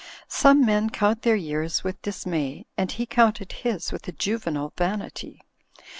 Some men count their years with dismay, and he counted his with a juvenile vanity.